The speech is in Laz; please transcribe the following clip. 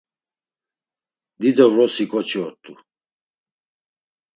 Dido vrosi ǩoçi ort̆u.